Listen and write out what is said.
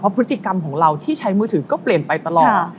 พฤติกรรมของเราที่ใช้มือถือก็เปลี่ยนไปตลอด